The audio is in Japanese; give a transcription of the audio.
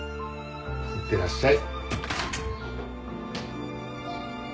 いってらっしゃい。